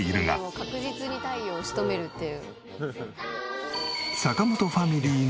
確実に太陽を仕留めるっていう。